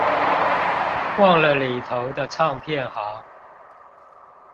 逛了裏頭的唱片行